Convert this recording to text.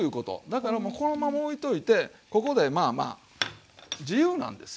だからこのままおいといてここでまあまあ自由なんですよ。